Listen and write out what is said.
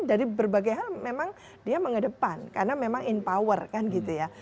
dari berbagai hal memang dia mengedepan karena memang empower kan gitu ya